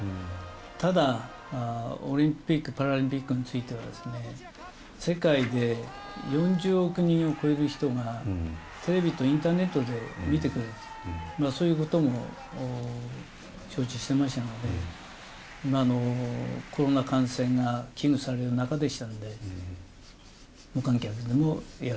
ただ、オリンピック・パラリンピックについては、世界で４０億人を超える人が、テレビとインターネットで見てくれると、そういうことも承知してましたので、コロナ感染が危惧される中でしたので、なるほど。